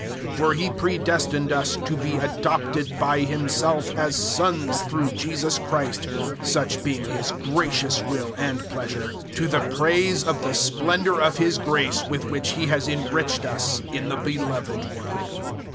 001:005 For He pre destined us to be adopted by Himself as sons through Jesus Christ such being His gracious will and pleasure 001:006 to the praise of the splendour of His grace with which He has enriched us in the beloved One.